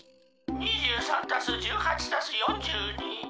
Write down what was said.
「２３＋１８＋４２」。